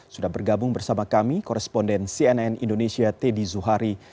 sudah bergabung bersama kami koresponden cnn indonesia teddy zuhari